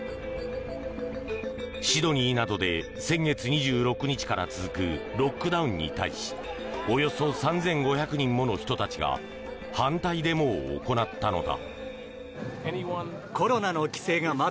シドニーなどで先月２６日から続くロックダウンに対しおよそ３５００人もの人たちが反対デモを行ったのだ。